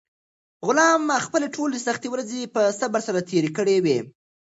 غلام خپلې ټولې سختې ورځې په صبر سره تېرې کړې وې.